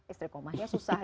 istiqomahnya susah gitu